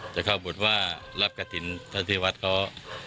จะเข้าบทว่ารับกตินพระธริวัตรเขา